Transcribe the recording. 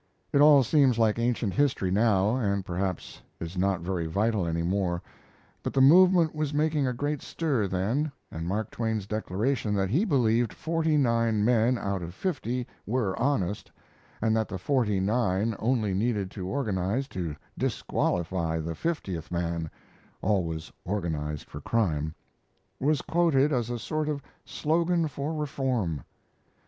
It all seems like ancient history now, and perhaps is not very vital any more; but the movement was making a great stir then, and Mark Twain's declaration that he believed forty nine men out of fifty were honest, and that the forty nine only needed to organize to disqualify the fiftieth man (always organized for crime), was quoted as a sort of slogan for reform.